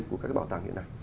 của các bảo tàng hiện nay